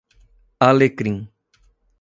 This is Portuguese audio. Alecrim